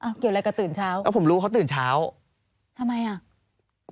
เกี่ยวอะไรกับตื่นเช้าแล้วผมรู้เขาตื่นเช้าทำไมอ่ะ